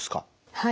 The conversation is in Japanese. はい。